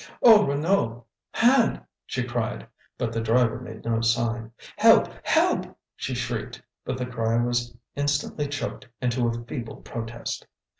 "O Renaud Hand!" she cried, but the driver made no sign. "Help, help!" she shrieked, but the cry was instantly choked into a feeble protest.